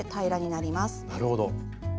なるほど。